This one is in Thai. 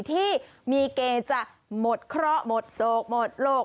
ที่มีเกจะหมดเคราะห์หมดโศกหมดโลก